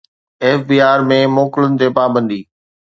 F B R ۾ موڪلن تي پابندي